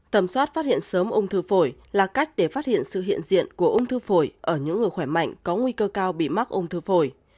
tầm soát phát hiện sớm ung thư phổi là cách để phát hiện sự hiện diện của ung thư phổi ở những người khỏe mạnh có nguy cơ cao bị mắc ung thư phổi